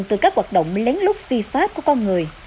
từ các hoạt động lén lút phi pháp của con người